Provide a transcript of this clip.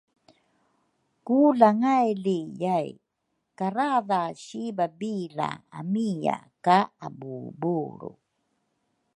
Ku langay li yai karadha si babila amia ka abuubulru